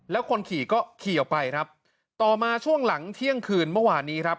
แล้วคนขี่ก็ขี่ออกไปครับต่อมาช่วงหลังเที่ยงคืนเมื่อวานนี้ครับ